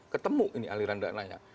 ketemu ini aliran dananya